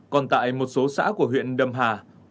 còn tại một số xã của huyện đâm hà